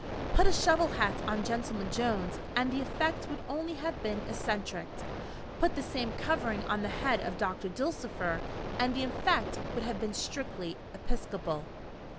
Put a shovel hat on Gentleman Jones, and the effect would only have been eccentric; put the same covering on the head of Doctor Dulcifer, and the effect would have been strictly episcopal.